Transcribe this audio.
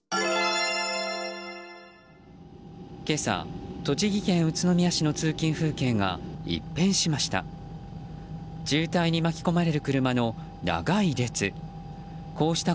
今朝、栃木県宇都宮市の通勤風景が一変しました。